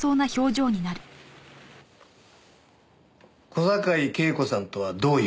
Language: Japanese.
小坂井恵子さんとはどういう？